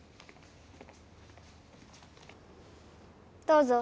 どうぞ。